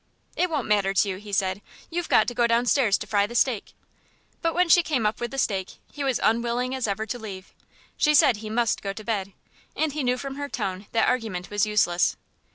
"It won't matter to you," he said; "you've to go downstairs to fry the steak." But when she came up with the steak he was unwilling as ever to leave. She said he must go to bed, and he knew from her tone that argument was useless.